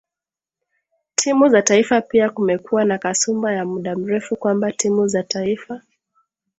timu za taifa pia Kumekuwa na kasumba ya muda mrefu kwamba timu za taifa